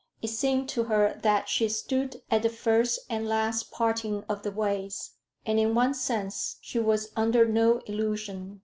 It seemed to her that she stood at the first and last parting of the ways. And, in one sense she was under no illusion.